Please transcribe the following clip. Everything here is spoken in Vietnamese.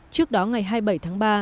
trước đó ngày hai mươi bảy tháng ba